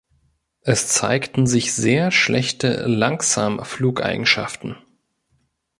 Es zeigten sich sehr schlechte Langsamflugeigenschaften.